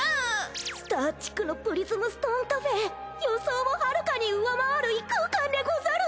スター地区のプリズムストーンカフェ予想をはるかに上回る異空間でござる！